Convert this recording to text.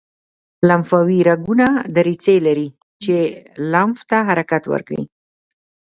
لمفاوي رګونه دریڅې لري چې لمف ته حرکت ورکوي.